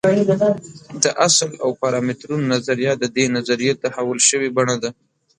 د اصل او پارامترونو نظریه د دې نظریې تحول شوې بڼه ده.